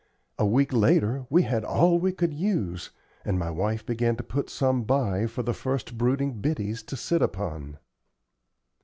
A week later we had all we could use, and my wife began to put some by for the first brooding biddies to sit upon.